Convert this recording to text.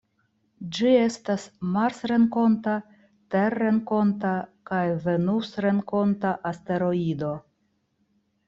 Ĝi estas marsrenkonta, terrenkonta kaj venusrenkonta asteroido.